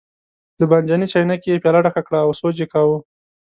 له بانجاني چاینکې یې پیاله ډکه کړه او سوچ یې کاوه.